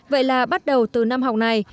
vậy là bắt đầu từ năm học này